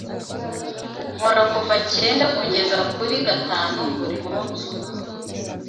Nkora kuva cyenda kugeza kuri gatanu buri munsi.